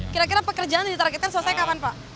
kira kira pekerjaan ditargetkan selesai kapan pak